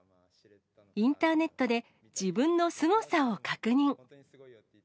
インターネットで、自分のすごさを確認。